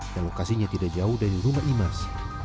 yang lokasinya tidak jauh dari rumah imers